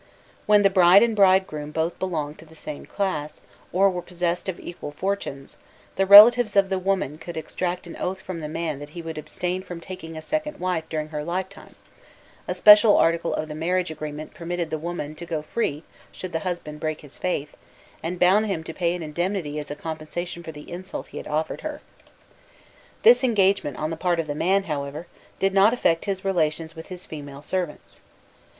When the bride and bridegroom both belonged to the same class, or were possessed of equal fortunes, the relatives of the woman could exact an oath from the man that he would abstain from taking a second wife during her lifetime; a special article of the marriage agreement permitted the woman to go free should the husband break his faith, and bound him to pay an indemnity as a compensation for the insult he had offered her. This engagement on the part of the man, however, did not affect his relations with his female servants.